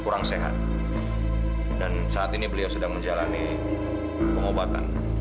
dan saat ini beliau sedang menjalani pengobatan